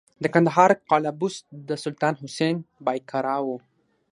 د کندهار قلعه بست د سلطان حسین بایقرا و